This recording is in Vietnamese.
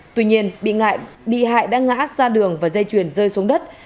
tuy nhiên bị ngại bị hại đã ngã ra đường và dây chuyền rơi xuống đất